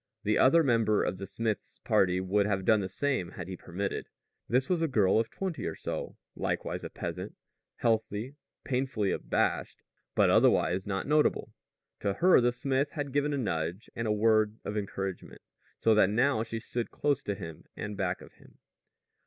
The other member of the smith's party would have done the same had he permitted. This was a girl of twenty or so, likewise a peasant, healthy, painfully abashed, but otherwise not notable. To her the smith had given a nudge and a word of encouragement, so that now she stood close to him and back of him.